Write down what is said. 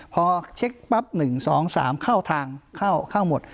พอเช็คนิดหนึ่ง๑๒๓เข้าทางเข้าหมด